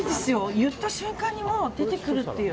言った瞬間に出てくるっていう。